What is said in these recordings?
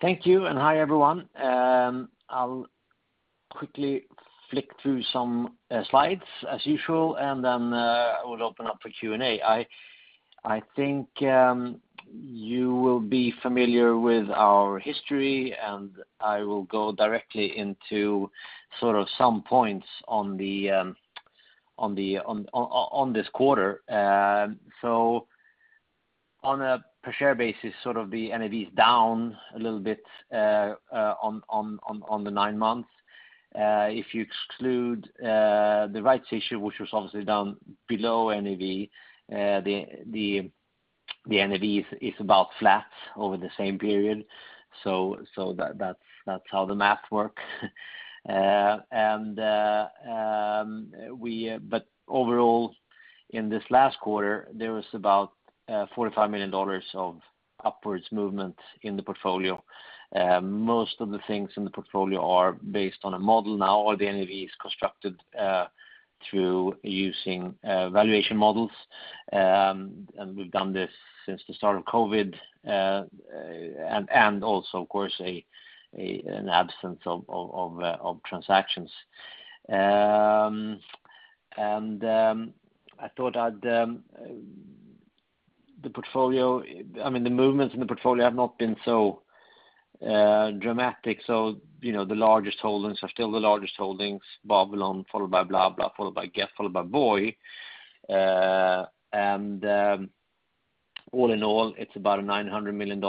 Thank you, and hi, everyone. I'll quickly flick through some slides as usual, and then I will open up for Q&A. I think you will be familiar with our history, and I will go directly into some points on this quarter. On a per share basis, the NAV is down a little bit on the nine months. If you exclude the rights issue, which was obviously down below NAV, the NAV is about flat over the same period. That's how the math work. Overall, in this last quarter, there was about SEK 45 million of upwards movement in the portfolio. Most of the things in the portfolio are based on a model now. All the NAV is constructed through using valuation models, and we've done this since the start of COVID, and also, of course, an absence of transactions. The movements in the portfolio have not been so dramatic. The largest holdings are still the largest holdings, Babylon, followed by BlaBla, followed by Gett, followed by Voi. All in all, it's about a SEK 900 million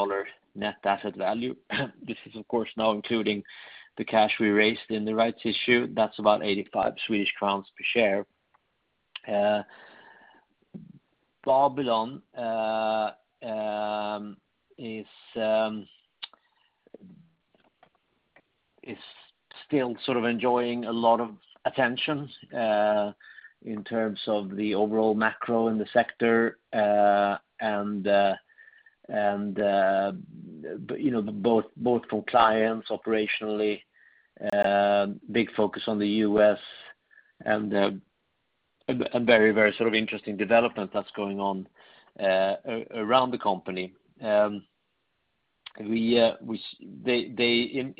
net asset value. This is, of course, now including the cash we raised in the rights issue. That's about 85 Swedish crowns per share. Babylon is still enjoying a lot of attention in terms of the overall macro in the sector, both from clients operationally, big focus on the U.S., and a very interesting development that's going on around the company. In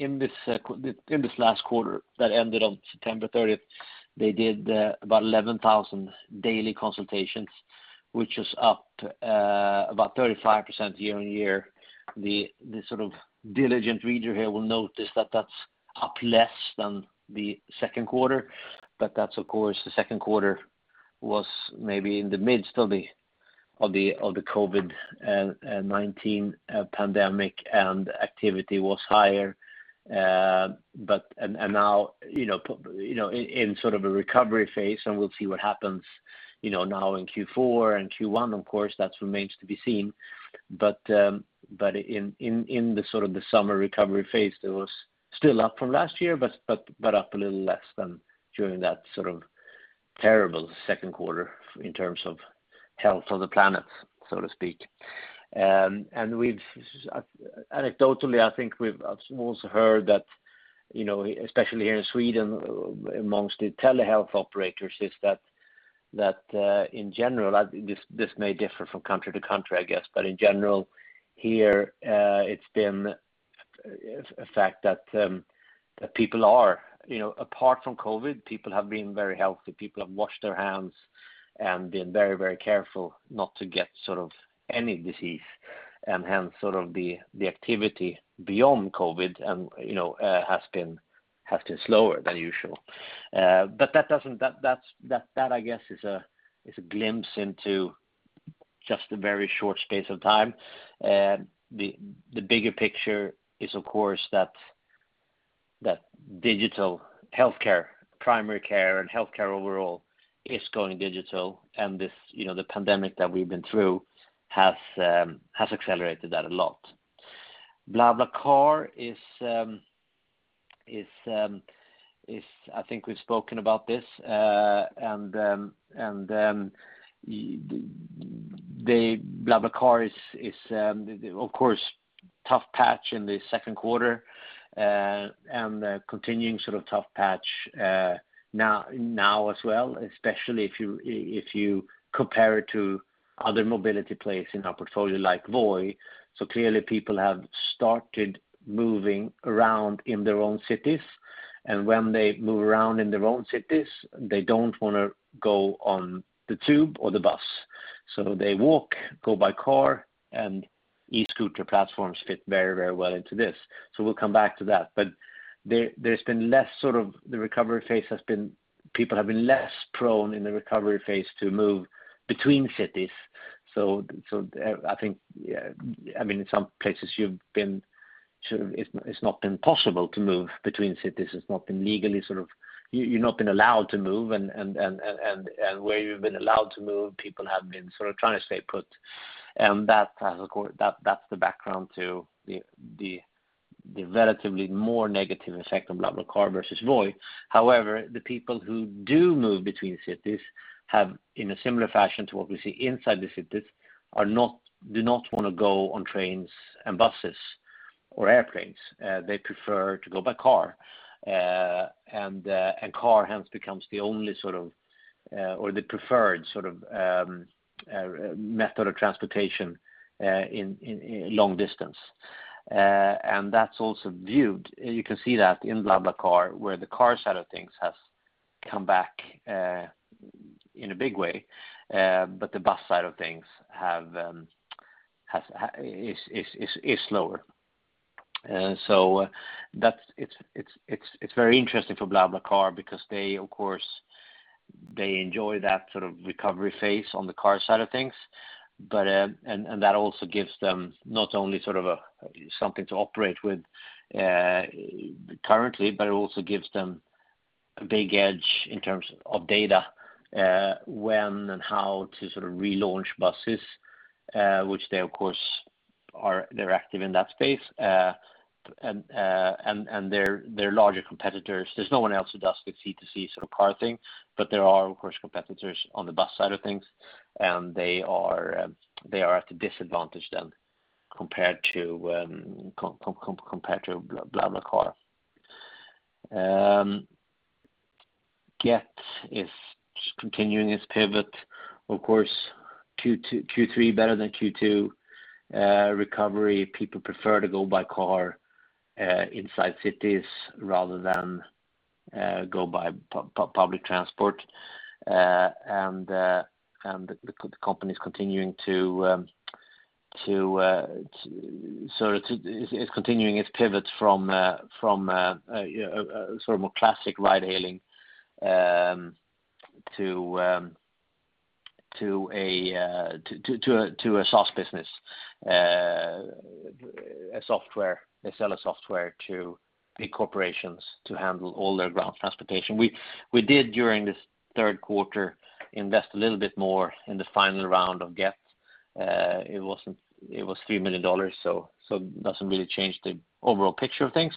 this last quarter that ended on September 30th, they did about 11,000 daily consultations, which was up about 35% year-over-year. The diligent reader here will notice that that's up less than the second quarter, but that's of course, the second quarter was maybe in the midst of the COVID-19 pandemic, and activity was higher. Now in a recovery phase, and we'll see what happens now in Q4 and Q1, of course, that remains to be seen. In the summer recovery phase, it was still up from last year, but up a little less than during that terrible second quarter in terms of health of the planet, so to speak. Anecdotally, I think we've also heard that especially here in Sweden, amongst the telehealth operators, is that in general, this may differ from country to country, I guess, but in general here, it's been a fact that people are, apart from COVID, people have been very healthy. Hence the activity beyond COVID has been slower than usual. That I guess is a glimpse into just a very short space of time. The bigger picture is, of course, that digital healthcare, primary care, and healthcare overall is going digital. The pandemic that we've been through has accelerated that a lot. BlaBlaCar I think we've spoken about this. BlaBlaCar is, of course, tough patch in the second quarter. Continuing tough patch now as well, especially if you compare it to other mobility plays in our portfolio, like Voi. Clearly people have started moving around in their own cities, and when they move around in their own cities, they don't want to go on the tube or the bus. They walk, go by car, and e-scooter platforms fit very well into this. We'll come back to that. There's been less sort of the recovery phase has been people have been less prone in the recovery phase to move between cities. I think, in some places it's not been possible to move between cities. You've not been allowed to move, and where you've been allowed to move, people have been trying to stay put. That's the background to the relatively more negative effect of BlaBlaCar versus Voi. However, the people who do move between cities have, in a similar fashion to what we see inside the cities, do not want to go on trains and buses or airplanes. They prefer to go by car. Car hence becomes the only sort of, or the preferred sort of method of transportation in long distance. That's also viewed, you can see that in BlaBlaCar, where the car side of things has come back in a big way, but the bus side of things is slower. It's very interesting for BlaBlaCar because they, of course, enjoy that sort of recovery phase on the car side of things. That also gives them not only something to operate with currently, but it also gives them a big edge in terms of data, when and how to relaunch buses, which they, of course, are active in that space. Their larger competitors, there's no one else who does the C2C sort of car thing, but there are, of course, competitors on the bus side of things, and they are at a disadvantage then compared to BlaBlaCar. Gett is continuing its pivot. Of course, Q3 better than Q2 recovery. People prefer to go by car inside cities rather than go by public transport. The company is continuing its pivot from a more classic ride-hailing to a SaaS business, a software. They sell a software to big corporations to handle all their ground transportation. We did, during this third quarter, invest a little bit more in the final round of Gett. It was SEK 3 million. It doesn't really change the overall picture of things,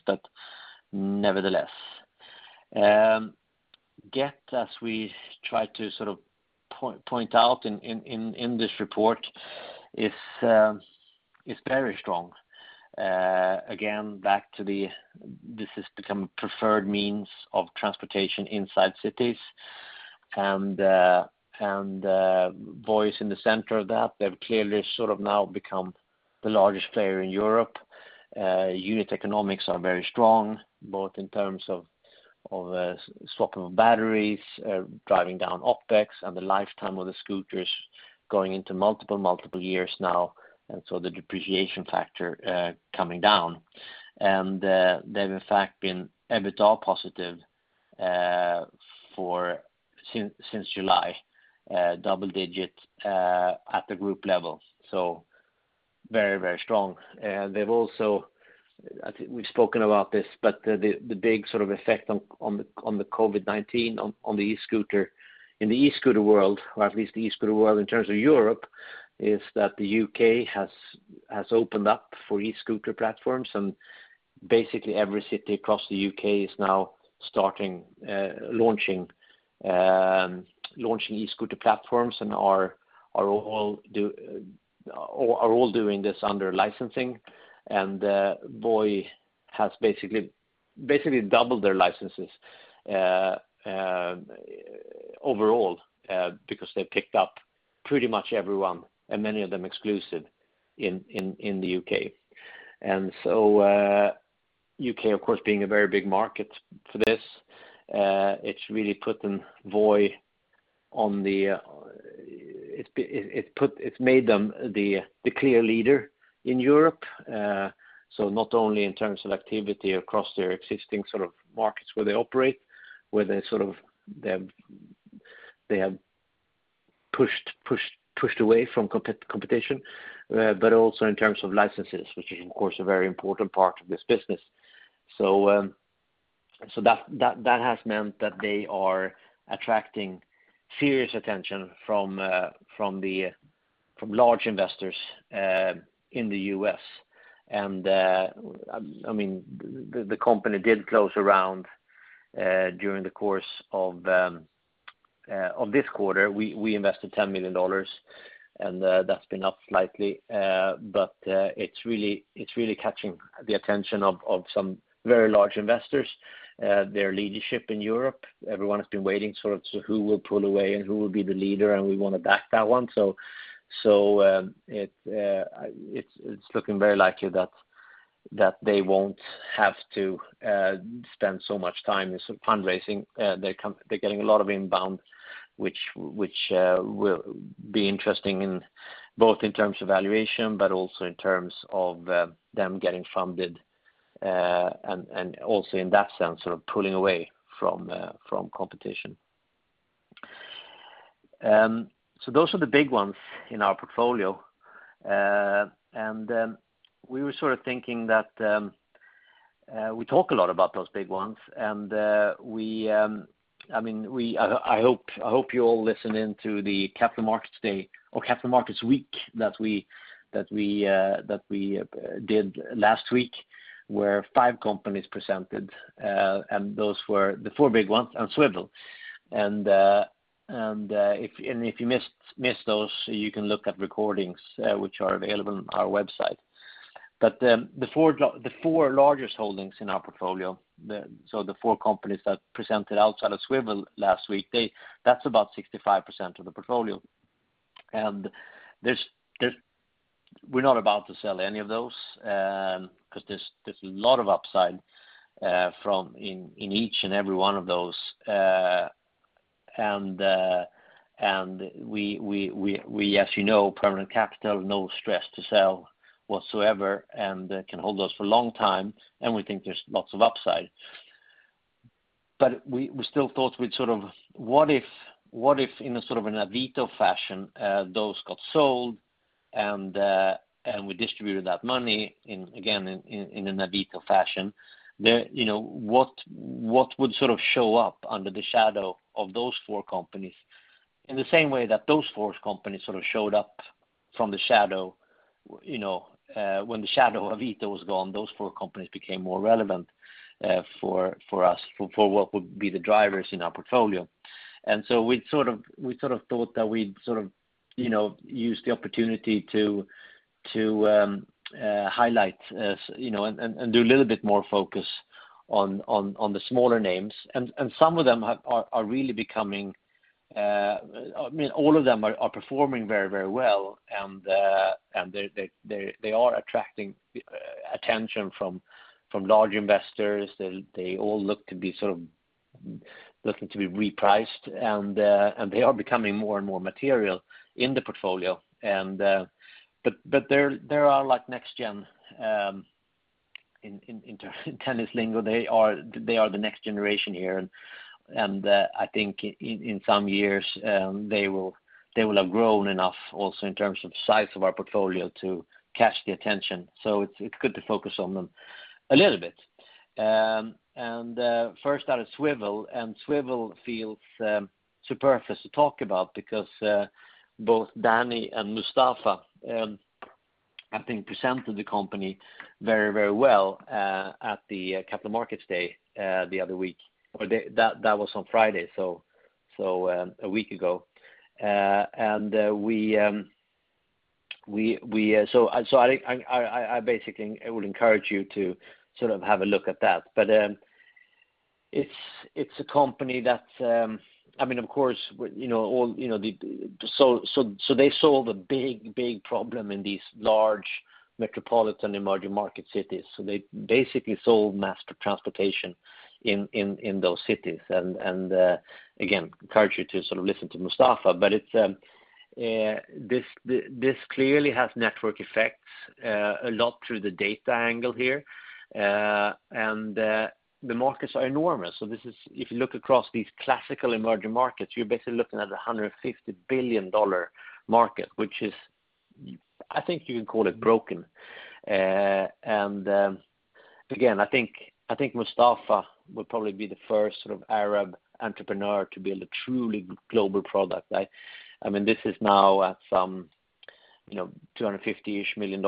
nevertheless. Gett, as we try to point out in this report, is very strong. Again, back to this has become a preferred means of transportation inside cities and Voi is in the center of that. They've clearly now become the largest player in Europe. Unit economics are very strong, both in terms of swapping batteries, driving down OpEx, and the lifetime of the scooters going into multiple years now, and so the depreciation factor coming down. They've, in fact, been EBITDA positive since July, double-digit at the group level, so very strong. We've spoken about this, but the big effect on the COVID-19 on the e-scooter world, or at least the e-scooter world in terms of Europe, is that the U.K. has opened up for e-scooter platforms and basically every city across the U.K. is now launching e-scooter platforms and are all doing this under licensing. Voi has basically doubled their licenses overall because they've picked up pretty much everyone, and many of them exclusive in the U.K. U.K., of course, being a very big market for this, it's made them the clear leader in Europe. Not only in terms of activity across their existing markets where they operate, where they have pushed away from competition, but also in terms of licenses, which is, of course, a very important part of this business. That has meant that they are attracting serious attention from large investors in the U.S. The company did close a round during the course of this quarter. We invested SEK 10 million, and that's been up slightly. It's really catching the attention of some very large investors, their leadership in Europe. Everyone has been waiting sort of to who will pull away and who will be the leader, and we want to back that one. It's looking very likely that they won't have to spend so much time in fundraising. They're getting a lot of inbound, which will be interesting both in terms of valuation, but also in terms of them getting funded, also in that sense, sort of pulling away from competition. Those are the big ones in our portfolio. We were sort of thinking that we talk a lot about those big ones, and I hope you all listened in to the Capital Markets Day or Capital Markets Week that we did last week, where five companies presented, and those were the four big ones and Swvl. If you missed those, you can look at recordings, which are available on our website. The four largest holdings in our portfolio, so the four companies that presented outside of Swvl last week, that is about 65% of the portfolio. We're not about to sell any of those, because there's a lot of upside in each and every one of those. We, as you know, permanent capital, no stress to sell whatsoever and can hold those for a long time, and we think there's lots of upside. We still thought we'd sort of, what if in an Avito fashion, those got sold and we distributed that money, again, in an Avito fashion, what would show up under the shadow of those four companies, in the same way that those four companies showed up from the shadow. When the shadow of Avito was gone, those four companies became more relevant for us, for what would be the drivers in our portfolio. We thought that we'd use the opportunity to highlight and do a little bit more focus on the smaller names. All of them are performing very well, and they are attracting attention from large investors. They all look to be repriced, and they are becoming more and more material in the portfolio. They are like next gen, in tennis lingo, they are the next generation here. I think in some years, they will have grown enough also in terms of size of our portfolio to catch the attention. It's good to focus on them a little bit. First out of Swvl, and Swvl feels superfluous to talk about because both Danny and Mostafa, I think, presented the company very well at the Capital Markets Day the other week, that was on Friday, a week ago. I basically would encourage you to have a look at that. It's a company that, of course, so they solved a big problem in these large metropolitan emerging market cities. They basically solved mass transportation in those cities. Again, encourage you to listen to Mostafa, but this clearly has network effects, a lot through the data angle here. The markets are enormous. If you look across these classical emerging markets, you're basically looking at a SEK 150 billion market, which is, I think you could call it broken. Again, I think Mostafa will probably be the first Arab entrepreneur to build a truly global product, right? This is now at some SEK 250-ish million.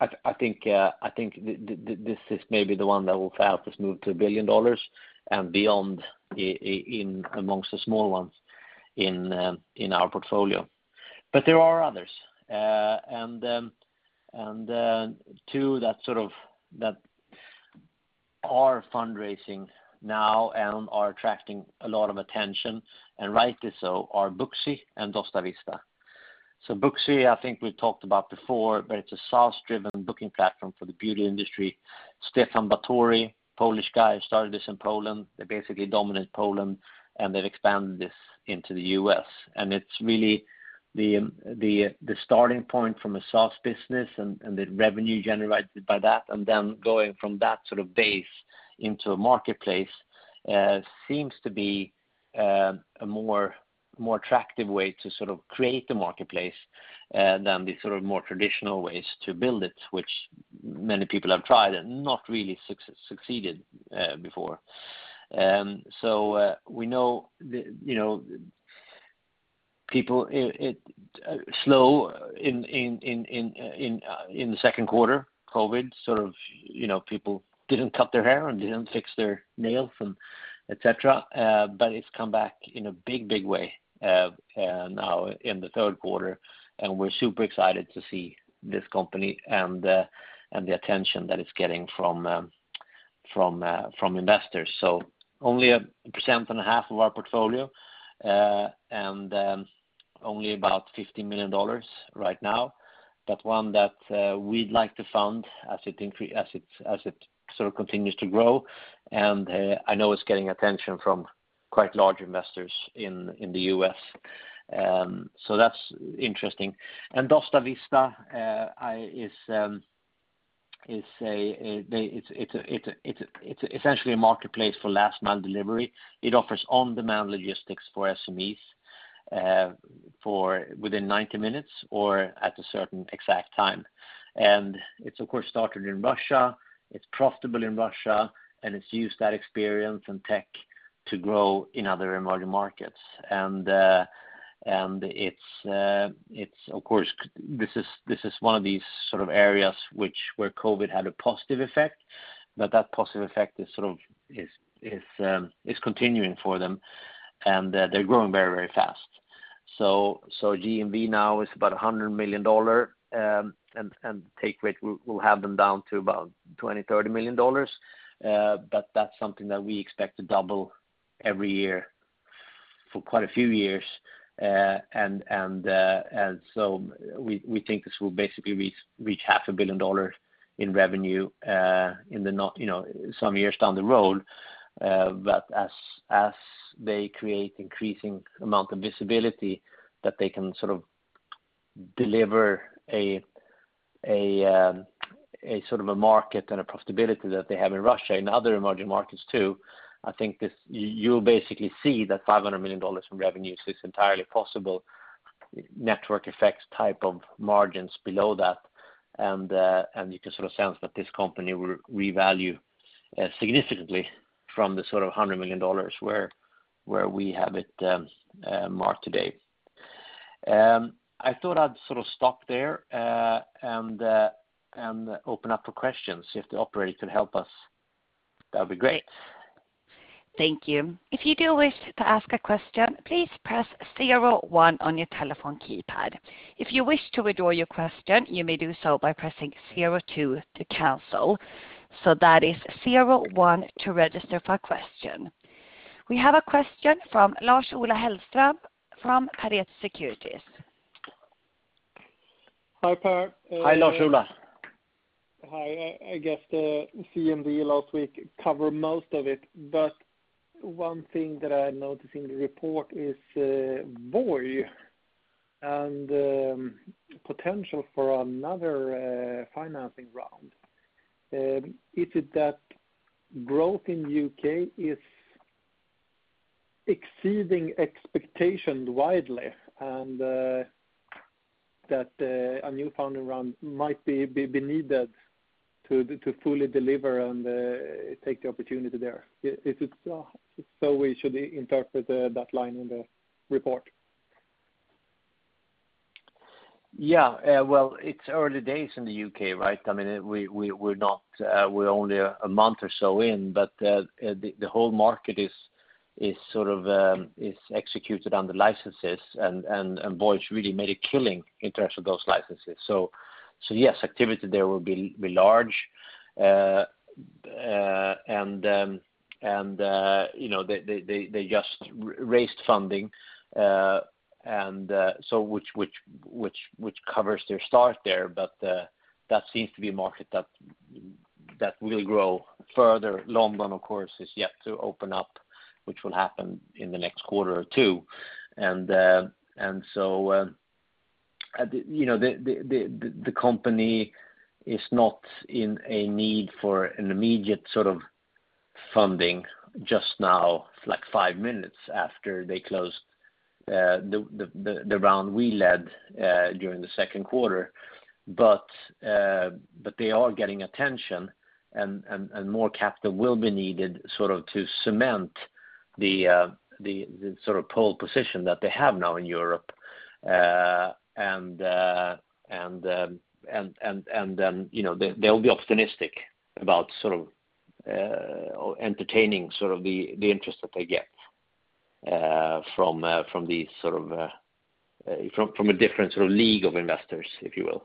I think this is maybe the one that will help us move to SEK 1 billion and beyond amongst the small ones in our portfolio. There are others, and two that are fundraising now and are attracting a lot of attention, and rightly so, are Booksy and Dostavista. Booksy, I think we talked about before, but it's a SaaS-driven booking platform for the beauty industry. Stefan Batory, Polish guy, started this in Poland. They basically dominate Poland, and they've expanded this into the U.S. It's really the starting point from a SaaS business and the revenue generated by that, then going from that sort of base into a marketplace, seems to be a more attractive way to create the marketplace, than the more traditional ways to build it, which many people have tried and not really succeeded before. We know people, it slowed in the second quarter, COVID-19, people didn't cut their hair and didn't fix their nails, et cetera. It's come back in a big way now in the third quarter, and we're super excited to see this company and the attention that it's getting from investors. Only 1.5% of our portfolio, and only about SEK 50 million right now, one that we'd like to fund as it sort of continues to grow. I know it's getting attention from quite large investors in the U.S. That's interesting. Dostavista, it's essentially a marketplace for last mile delivery. It offers on-demand logistics for SMEs within 90 minutes or at a certain exact time. It of course started in Russia. It's profitable in Russia, and it's used that experience and tech to grow in other emerging markets. Of course, this is one of these sort of areas where COVID had a positive effect, but that positive effect is continuing for them. They're growing very fast. GMV now is about SEK 100 million, and take rate, we'll have them down to about SEK 20 million, SEK 30 million. That's something that we expect to double every year for quite a few years. We think this will basically reach SEK 0.5 billion In revenue some years down the road. As they create increasing amount of visibility that they can sort of deliver a market and a profitability that they have in Russia and other emerging markets too. I think you'll basically see that SEK 500 million from revenue is entirely possible, network effects type of margins below that. You can sort of sense that this company will revalue significantly from the sort of SEK 100 million where we have it marked today. I thought I'd stop there and open up for questions. If the operator could help us, that'd be great. Thank you. If you do wish to ask a question, please press zero one on your telephone keypad. If you wish to withdraw your question, you may do so by pressing zero two to cancel. That is zero one to register for a question. We have a question from Lars-Ola Hellström from Pareto Securities. Hi, Per. Hi, Lars-Ola. Hi. I guess the CMD last week covered most of it, but one thing that I noticed in the report is Voi and potential for another financing round. Is it that growth in U.K. is exceeding expectations widely, and that a new funding round might be needed to fully deliver and take the opportunity there? Is it so we should interpret that line in the report? Yeah. Well, it's early days in the U.K., right? We're only a month or so in, but the whole market is executed under licenses, and Voi's really made a killing in terms of those licenses. Yes, activity there will be large. They just raised funding, which covers their start there, but that seems to be a market that will grow further. London, of course, is yet to open up, which will happen in the next quarter or two. The company is not in a need for an immediate funding just now, like five minutes after they closed the round we led during the second quarter. They are getting attention and more capital will be needed to cement the pole position that they have now in Europe. They'll be optimistic about entertaining the interest that they get from a different sort of league of investors, if you will.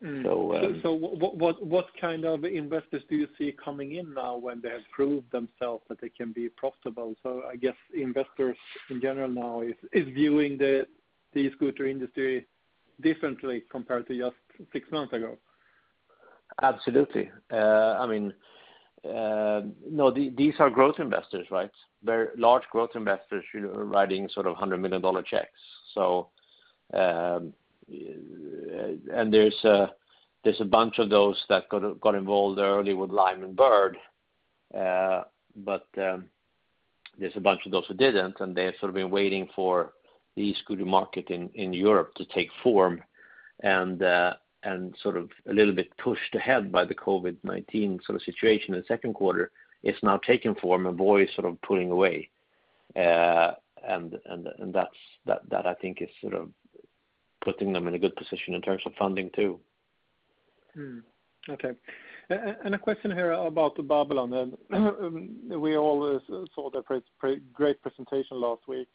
What kind of investors do you see coming in now when they have proved themselves that they can be profitable? I guess investors, in general now, is viewing the e-scooter industry differently compared to just six months ago. Absolutely. These are growth investors, right? Very large growth investors writing SEK 100 million checks. There's a bunch of those that got involved early with Lime and Bird, but there's a bunch of those who didn't, and they have been waiting for the e-scooter market in Europe to take form and a little bit pushed ahead by the COVID-19 situation in the second quarter. It's now taking form, and Voi is pulling away. That I think is putting them in a good position in terms of funding, too. Okay. A question here about Babylon. We all saw their great presentation last week.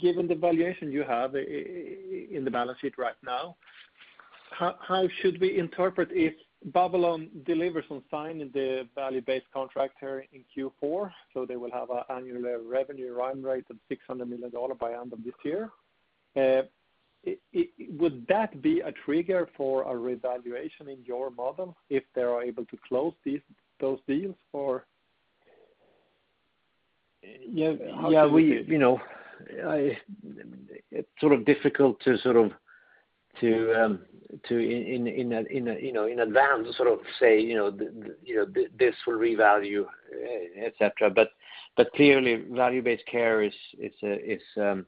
Given the valuation you have in the balance sheet right now, how should we interpret if Babylon delivers on signing the value-based contract here in Q4, so they will have an annual revenue run rate of SEK 600 million by end of this year? Would that be a trigger for a revaluation in your model if they are able to close those deals or how do you see it? It's difficult to, in advance say, "This will revalue," et cetera. Clearly, value-based care is a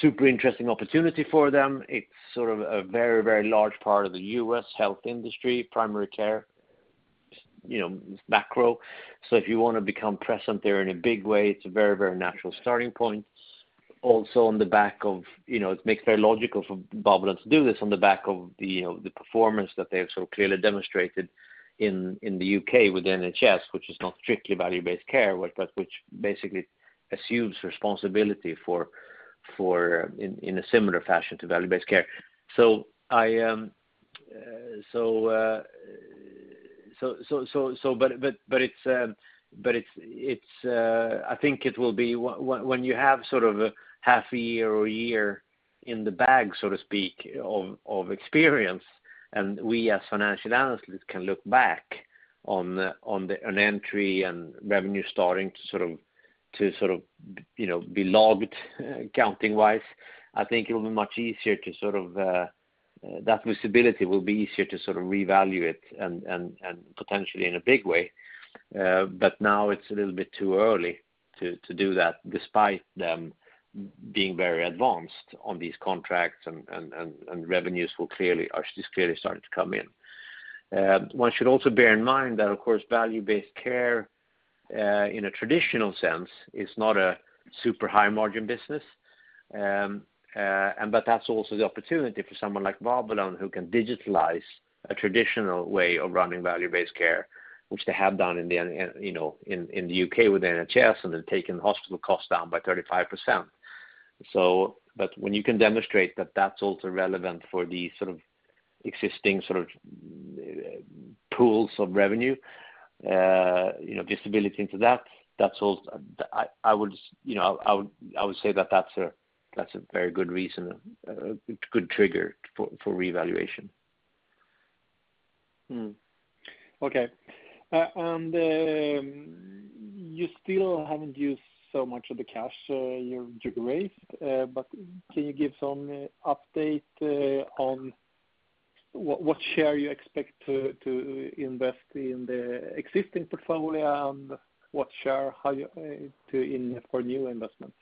super interesting opportunity for them. It's a very large part of the U.S. health industry, primary care macro. If you want to become present there in a big way, it's a very natural starting point. Also on the back of, it makes very logical for Babylon to do this on the back of the performance that they've so clearly demonstrated in the U.K. with the NHS, which is not strictly value-based care, but which basically assumes responsibility in a similar fashion to value-based care. I think it will be when you have sort of a half a year or a year in the bag, so to speak, of experience, and we as financial analysts can look back on an entry and revenue starting to be logged accounting-wise. I think that visibility will be easier to reevaluate and potentially in a big way. Now it's a little bit too early to do that, despite them being very advanced on these contracts and revenues has clearly started to come in. One should also bear in mind that, of course, value-based care, in a traditional sense, is not a super high-margin business. That's also the opportunity for someone like Babylon who can digitalize a traditional way of running value-based care, which they have done in the U.K. with NHS and then taken hospital costs down by 35%. When you can demonstrate that that's also relevant for these sort of existing pools of revenue, visibility into that, I would say that that's a very good reason, a good trigger for reevaluation. Okay. You still haven't used so much of the cash you raised, but can you give some update on what share you expect to invest in the existing portfolio and what share for new investments?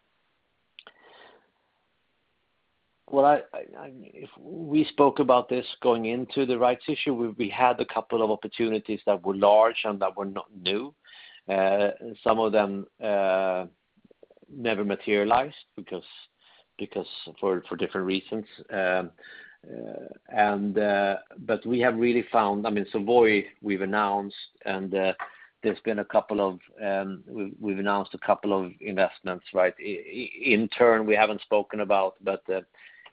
We spoke about this going into the rights issue. We had a couple of opportunities that were large and that were not new. Some of them never materialized for different reasons. So, Voi we've announced, and we've announced a couple of investments. Inturn, we haven't spoken about.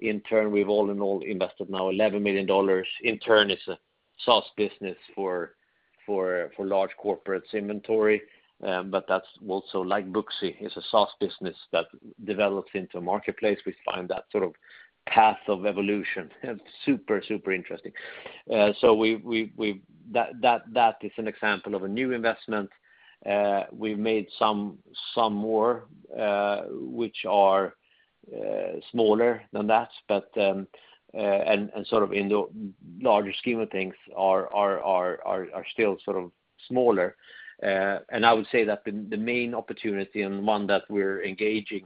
Inturn we've all in all invested now SEK 11 million. Inturn is a SaaS business for large corporates inventory. That's also like Booksy, is a SaaS business that develops into a marketplace. We find that sort of path of evolution super interesting. That is an example of a new investment. We've made some more which are smaller than that, and sort of in the larger scheme of things are still sort of smaller. I would say that the main opportunity and one that we're engaging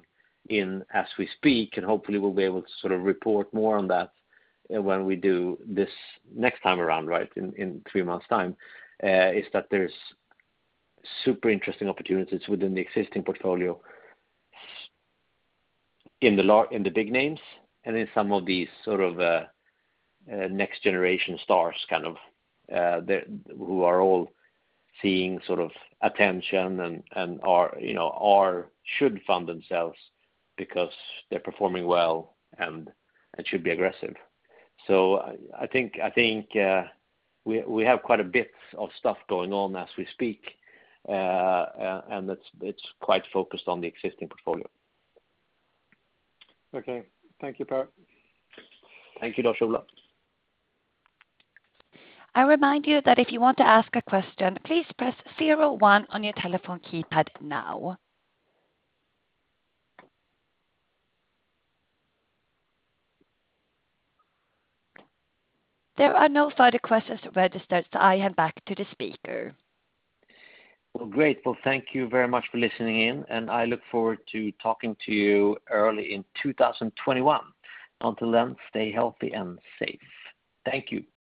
in as we speak, and hopefully we'll be able to sort of report more on that when we do this next time around in three months time, is that there's super interesting opportunities within the existing portfolio in the big names and in some of these sort of next generation stars kind of, who are all seeing sort of attention and should fund themselves because they're performing well and should be aggressive. I think we have quite a bit of stuff going on as we speak, and it's quite focused on the existing portfolio. Okay. Thank you, Per. Thank you, Lars-Ola. I remind you that if you want to ask a question, please press 01 on your telephone keypad now. There are no further questions registered, so I hand back to the speaker. Well, great. Well, thank you very much for listening in, and I look forward to talking to you early in 2021. Until then, stay healthy and safe. Thank you.